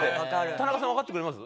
田中さんわかってくれます？